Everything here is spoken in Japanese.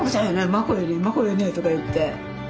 マコよねマコよね？とか言って。